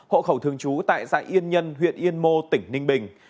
hộ khẩu thường trú tại xã yên nhân huyện yên mô tỉnh ninh bình